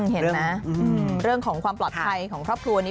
เห็นไหมเรื่องของความปลอดภัยของครอบครัวนี้